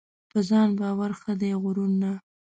په ځان باور ښه دی ؛غرور نه .